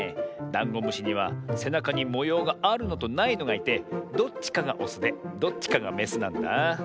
ダンゴムシにはせなかにもようがあるのとないのがいてどっちかがオスでどっちかがメスなんだ。